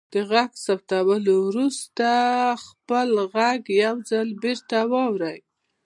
د غږ ثبتولو وروسته خپل غږ یو ځل بیرته واورئ.